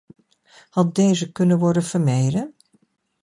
Had deze kunnen worden vermeden?